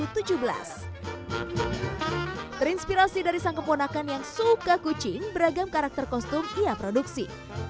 terinspirasi dari sang keponakan yang suka kucing beragam karakter kostum ia produksi